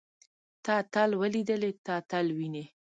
تۀ اتل وليدلې. ته اتل وينې؟